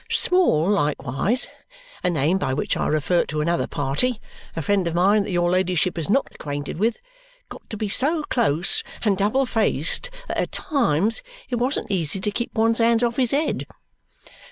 Small likewise a name by which I refer to another party, a friend of mine that your ladyship is not acquainted with got to be so close and double faced that at times it wasn't easy to keep one's hands off his 'ead.